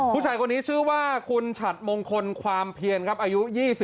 ผู้ชายคนนี้ชื่อว่าคุณฉัดมงคลความเพียรครับอายุ๒๓